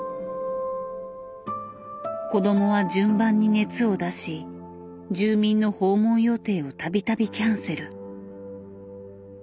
子どもは順番に熱を出し住民の訪問予定を度々キャンセル。